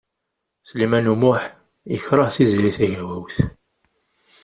Sliman U Muḥ yekṛeh Tiziri Tagawawt.